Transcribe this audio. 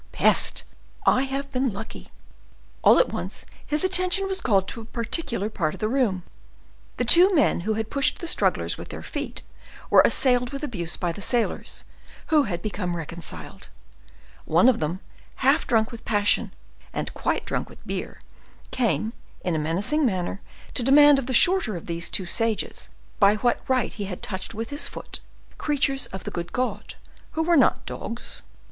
Peste! I have been lucky." All at once his attention was called to a particular part of the room. The two men who had pushed the strugglers with their feet, were assailed with abuse by the sailors, who had become reconciled. One of them, half drunk with passion, and quite drunk with beer, came, in a menacing manner, to demand of the shorter of these two sages by what right he had touched with his foot creatures of the good God, who were not dogs.